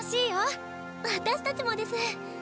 私たちもです。